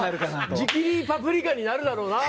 直にパプリカになるだろうなと。